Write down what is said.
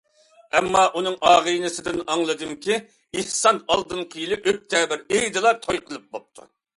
ئەمما، ئۇنىڭ ئاغىنىسىدىن ئاڭلىدىمكى، ئېھسان ئالدىنقى يىلى ئۆكتەبىر ئېيىدىلا توي قىلىپ بوپتۇ.